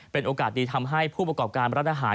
เป็นโอกาสดีทำให้ผู้ประกอบการร้านอาหาร